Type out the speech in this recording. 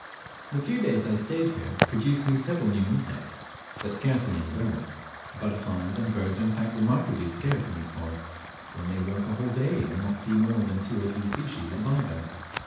The few days I stayed here produced me several new insects, but scarcely any birds. Butterflies and birds are in fact remarkably scarce in these forests. One may walk a whole day and not see more than two or three species of either.